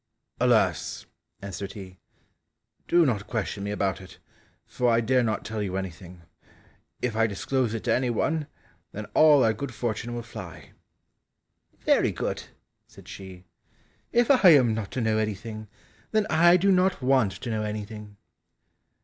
"Alas," answered he, "do not question me about it, for I dare not tell you anything; if I disclose it to any one, then all our good fortune will fly." "Very good," said she, "if I am not to know anything, then I do not want to know anything."